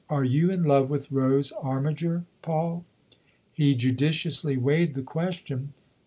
"Are you in love with Rose Armiger, Paul ?" He judiciously weighed the question.